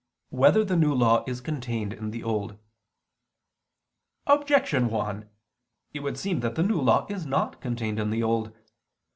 3] Whether the New Law Is Contained in the Old? Objection 1: It would seem that the New Law is not contained in the Old.